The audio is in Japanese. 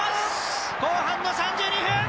後半の３２分。